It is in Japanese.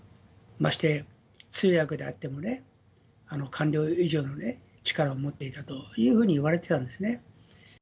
まして、通訳であっても、官僚以上の力を持っていたというふうにいわれてたんですね。